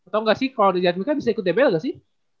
tau gak sih kalau di diatmika bisa ikut dbl gak sih